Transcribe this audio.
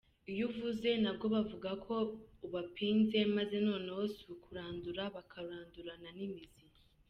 Iyo uvuze nabwo, bavuga ko ubapinze, maze noneho si ukukurandura, bakakurandurana n’imizi !